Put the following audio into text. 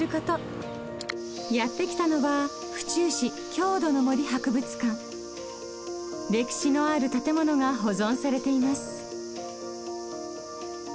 やって来たのは歴史のある建物が保存されています。